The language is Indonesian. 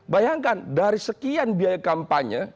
bayangkan dari sekian biaya kampanye